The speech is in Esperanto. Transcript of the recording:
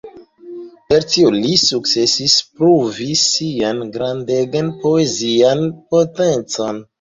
Per tio li sukcesis pruvi sian grandegan poezian potencon.